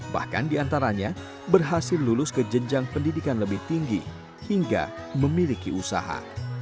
bahkan diantaranya berhasil lulus ke jenjang pendidikan lebih tinggi hingga memiliki usaha